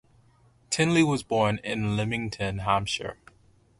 Tinley was born in Lymington, Hampshire.